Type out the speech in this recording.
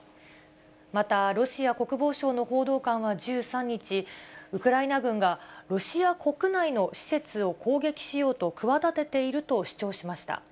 また、ロシア国防省の報道官は１３日、ウクライナ軍が、ロシア国内の施設を攻撃しようと企てていると主張しました。